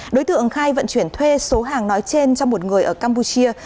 đối tượng khai vận chuyển thuê số hàng nói trên cho một người ở campuchia